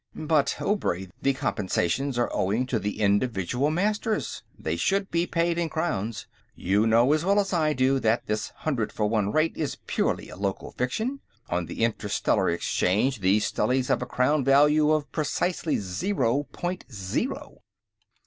"But, Obray; the compensations are owing to the individual Masters. They should be paid in crowns. You know as well as I do that this hundred for one rate is purely a local fiction. On the interstellar exchange, these stellies have a crown value of precisely zero point zero."